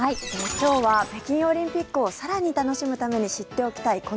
今日は北京オリンピックを更に楽しむために知っておきたい